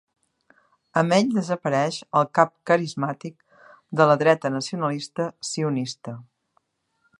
Amb ell desapareix el cap carismàtic de la dreta nacionalista sionista.